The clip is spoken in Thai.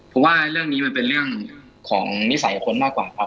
ผมว่าเรื่องนี้มันเป็นเรื่องของนิสัยคนมากกว่าครับ